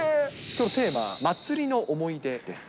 きょうのテーマは、祭りの思い出です。